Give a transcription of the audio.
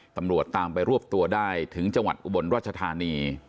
ตำรวจตามไปรวบตัวได้ถึงจังหวัดอุบลราชธานี